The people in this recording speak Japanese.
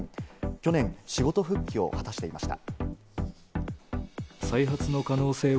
去年、仕事復帰を果たしていました。